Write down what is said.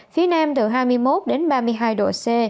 phía nam từ hai mươi một đến ba mươi hai độ c